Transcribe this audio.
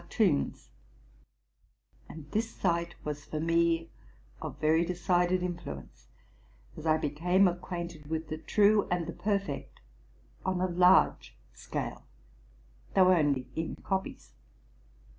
301 toons ; and this sight was for me of very decided influence, as I became acquainted with the true and the perfect on a large scale, though only in copies.